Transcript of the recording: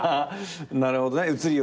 なるほどね映りを見て。